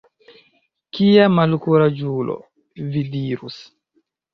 Kia malkuraĝulo, vi dirus.